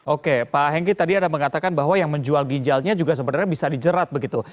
oke pak hengki tadi ada mengatakan bahwa yang menjual ginjalnya juga sebenarnya bisa dijerat begitu